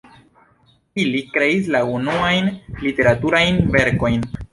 Ili kreis la unuajn literaturajn verkojn.